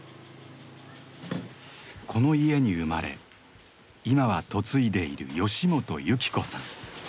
この家に生まれ今は嫁いでいる吉本幸子さん。